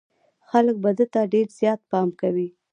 خلک به ده ته ډېر زيات پام کوي.